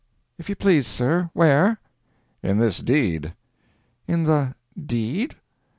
"If you please, sir, where?" "In this deed." "In the—deed?"